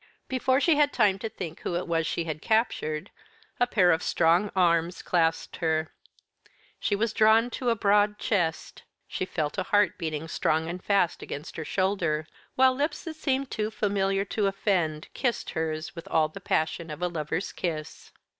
Before she had time to think who it was she had captured, a pair of strong arms clasped her; she was drawn to a broad chest; she felt a heart beating strong and fast against her shoulder, while lips that seemed too familiar to offend kissed hers with all the passion of a lover's kiss.